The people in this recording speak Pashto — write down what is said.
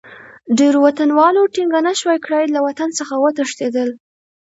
ډېرو وطنوالو ټینګه نه شوای کړای، له وطن څخه وتښتېدل.